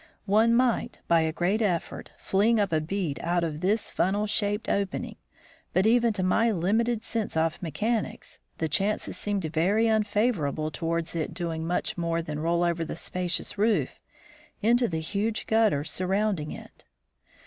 One might, by a great effort, fling up a bead out of this funnel shaped opening, but, even to my limited sense of mechanics, the chances seemed very unfavorable towards it doing much more than roll over the spacious roof into the huge gutters surrounding it.